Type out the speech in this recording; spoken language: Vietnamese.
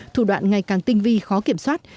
thủ đoạn ngày càng tinh vi khó kiểm soát